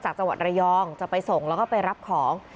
จังหวัดระยองจะไปส่งแล้วก็ไปรับของ